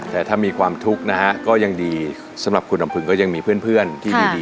แต่ถ้ามีความทุกข์นะฮะก็ยังดีสำหรับคุณลำพึงก็ยังมีเพื่อนที่ดี